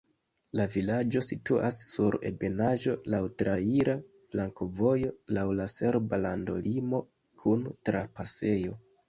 La vilaĝo situas sur ebenaĵo, laŭ traira flankovojo, laŭ la serba landolimo kun trapasejo.